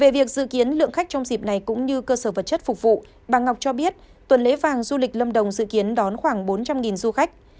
về việc dự kiến lượng khách trong dịp này cũng như cơ sở vật chất phục vụ bà ngọc cho biết tuần lễ vàng du lịch lâm đồng dự kiến đón khoảng bốn trăm linh du khách